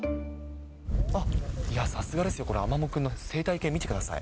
あっ、さすがですよ、アマモくんの生態系、見てください。